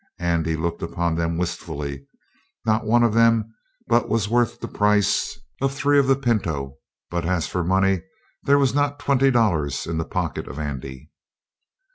Andy looked upon them wistfully. Not one of them but was worth the price of three of the pinto; but as for money there was not twenty dollars in the pocket of Andy.